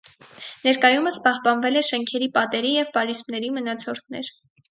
Ներկայումս պահպանվել է շենքերի պատերի և պարիսպների մնացորդներ։